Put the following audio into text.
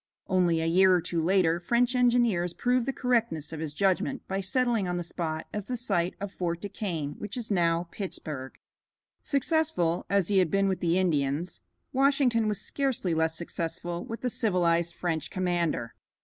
Only a year or two later French engineers proved the correctness of his judgment by settling on the spot as the site of Fort Du Quesne, which is now Pittsburg. Successful as he had been with the Indians, Washington was scarcely less successful with the civilized French commander.